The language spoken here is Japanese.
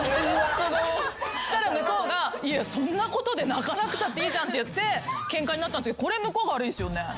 そしたら向こうが「そんなことで泣かなくたっていいじゃん」ってケンカになったんすけどこれ向こうが悪いですよね？